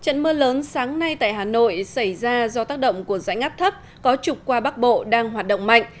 trận mưa lớn sáng nay tại hà nội xảy ra do tác động của dãy ngắp thấp có trục qua bắc bộ đang hoạt động mạnh